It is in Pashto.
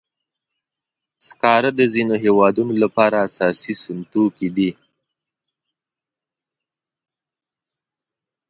سکاره د ځینو هېوادونو لپاره اساسي سون توکي دي.